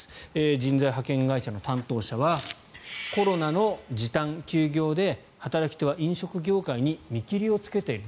人材派遣会社の担当者はコロナの時短・休業で働き手は飲食業界に見切りをつけている。